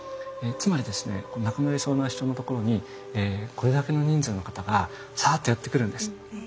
つまりですね亡くなりそうな人のところにこれだけの人数の方がサーッとやって来るんです。